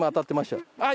はい。